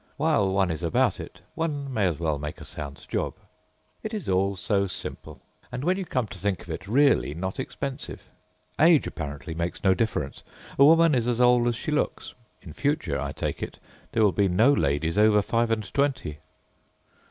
While one is about it, one may as well make a sound job. It is all so simple, and, when you come to think of it, really not expensive. Age, apparently, makes no difference. A woman is as old as she looks. In future, I take it, there will be no ladies over five and twenty.